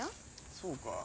そうか。